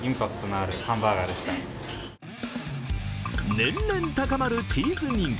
年々高まるチーズ人気。